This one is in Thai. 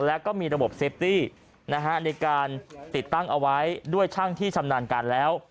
แล้วก็มีระบบเซฟตี้ในการติดตั้งเอาไว้ด้วยช่างที่ชำนาญการแล้ว